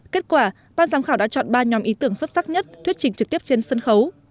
kết quả ban giám khảo đã chọn ba nhóm ý tưởng xuất sắc nhất thuyết trình trực tiếp trên sân khấu